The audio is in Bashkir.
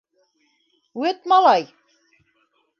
- Вәт, малай...